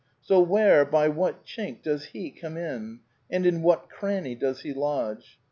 So where, by what chink, does "he" come in? And in what cranny does he lodge